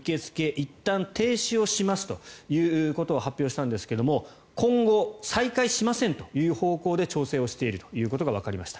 いったん停止をしますということを発表したんですけども今後、再開しませんという方向で調整をしているということがわかりました。